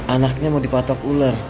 anaknya mau dipatok ular